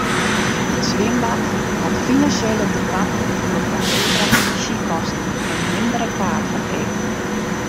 It swimbad hat finansjele tekoarten troch de hegere enerzjykosten en mindere kaartferkeap.